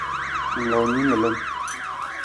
Ng loo nung lalan.